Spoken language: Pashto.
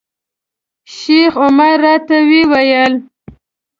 شیخ عمر راته وویل.